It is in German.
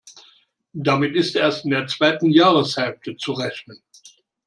Damit ist erst in der zweiten Jahreshälfte zu rechnen.